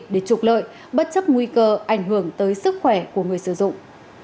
để trục lợi bất chấp nguy cơ ảnh hưởng tới sức khỏe của người sử dụng